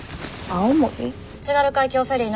津軽海峡フェリー